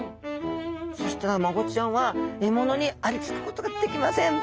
そしたらマゴチちゃんは獲物にありつくことができません。